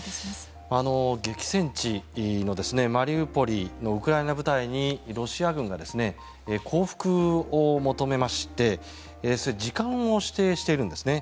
激戦地のマリウポリのウクライナ部隊にロシア軍が降伏を求めまして時間を指定しているんですね。